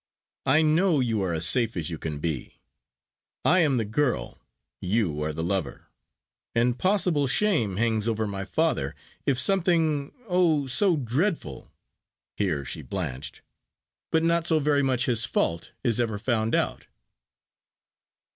I know you are as safe as can be. I am the girl, you are the lover, and possible shame hangs over my father, if something oh, so dreadful" (here she blanched), "but not so very much his fault, is ever found out."